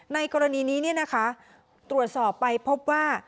ในกรณีนี้เนี้ยนะคะตรวจสอบไปพบว่า